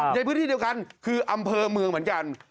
ในพื้นที่เดียวกันคืออำเภอเมืองเหมือนกัน